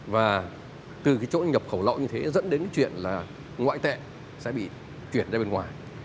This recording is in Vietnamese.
và từ cái chỗ nhập khẩu lậu như thế dẫn đến cái chuyện là ngoại tệ sẽ bị chuyển ra bên ngoài